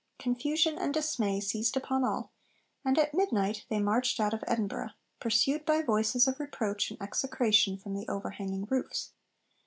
Confusion and dismay seized upon all, and at midnight they marched out of Edinburgh, pursued by voices of reproach and execration from the overhanging roofs.